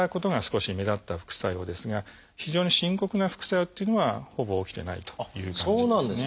少し目立った副作用ですが非常に深刻な副作用っていうのはほぼ起きてないという感じですね。